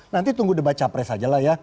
nanti tunggu udah baca pres aja lah ya